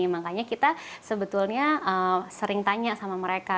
makanya kita sebetulnya sering tanya sama mereka